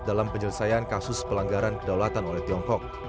dalam penyelesaian kasus pelanggaran kedaulatan oleh tiongkok